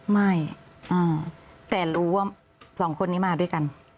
ไม่แต่รู้ว่าสองคนนี้มาด้วยกัน